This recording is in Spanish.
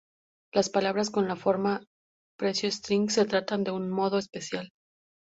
Las palabras con la forma $'string' se tratan de un modo especial.